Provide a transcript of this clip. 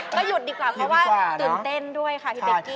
ก็หยุดดีกว่าเพราะว่าตื่นเต้นด้วยค่ะพี่เป๊กกี